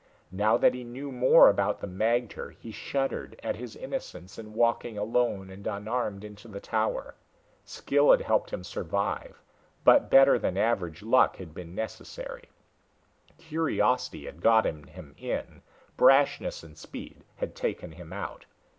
Now that he knew more about the magter, he shuddered at his innocence in walking alone and unarmed into the tower. Skill had helped him survive but better than average luck had been necessary. Curiosity had gotten him in, brashness and speed had taken him out.